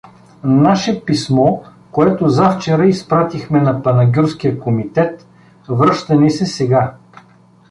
— Наше писмо, което завчера изпратихме за панагюрския комитет; връща ни се сега.